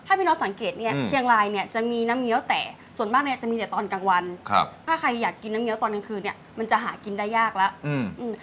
พี่น็อตสังเกตเนี่ยเชียงรายเนี่ยจะมีน้ำเงี้ยวแต่ส่วนมากเนี้ยจะมีแต่ตอนกลางวันครับถ้าใครอยากกินน้ำเงี้ยวตอนกลางคืนเนี้ยมันจะหากินได้ยากแล้วอืม